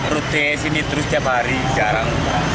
rute sini terus tiap hari jarang